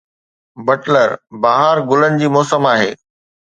Butler! بهار گلن جي موسم آهي